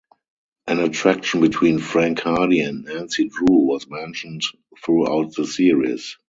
An attraction between Frank Hardy and Nancy Drew was mentioned throughout the series.